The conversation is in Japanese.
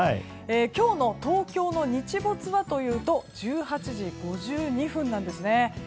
今日の東京の日没はというと１８時５２分なんですね。